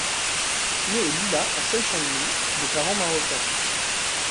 Née aux Lilas en Seine-Saint-Denis de parents marocains.